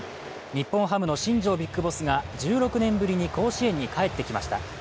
日本ハムの新庄ＢＩＧＢＯＳＳが１６年ぶりに甲子園に帰ってきました。